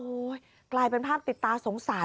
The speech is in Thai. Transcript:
กลายเป็นภาพติดตาสงสาร